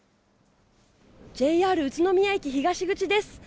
ＪＲ宇都宮駅東口です。